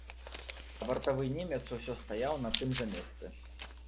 А вартавы немец усё стаяў на тым жа месцы.